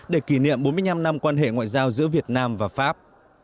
để kỷ niệm bốn mươi năm năm quan hệ ngoại giao giữa việt nam và pháp